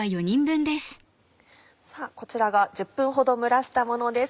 さぁこちらが１０分ほど蒸らしたものです。